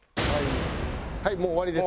はいもう終わりです。